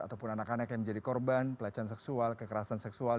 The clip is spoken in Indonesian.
ataupun anak anak yang menjadi korban pelecehan seksual kekerasan seksual